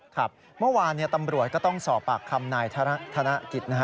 ครับเมื่อวานตำรวจก็ต้องสอบปากคำนายธนกิจนะฮะ